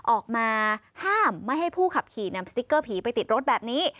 ออกมาห้ามไม่ให้ผู้ขับขี่นำสติ๊กเกอร์ผีไปติดรถแบบนี้